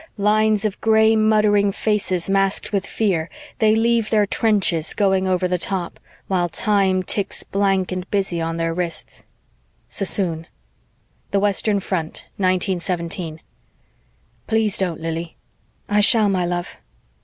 Lines of gray, muttering faces, masked with fear, They leave their trenches, going over the top, While time ticks blank and busy on their wrists Sassoon THE WESTERN FRONT, 1917 "Please don't, Lili." "I shall, my love."